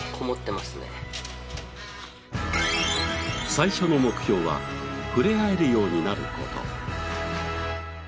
最初の目標は触れ合えるようになる事。